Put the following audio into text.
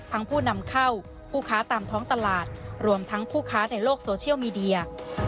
ผู้นำเข้าผู้ค้าตามท้องตลาดรวมทั้งผู้ค้าในโลกโซเชียลมีเดีย